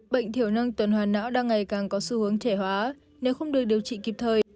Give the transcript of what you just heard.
bệnh thiểu năng tuần hoàn não đang ngày càng có xu hướng trẻ hóa nếu không được điều trị kịp thời